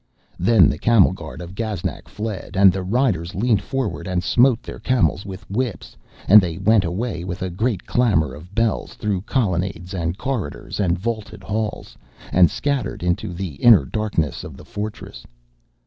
Then the camel guard of Gaznak fled, and the riders leaned forward and smote their camels with whips, and they went away with a great clamour of bells through colonnades and corridors and vaulted halls, and scattered into the inner darknesses of the fortress.